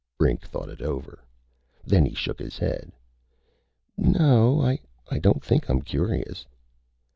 Brink thought it over. Then he shook his head. "No. I don't think I'm curious."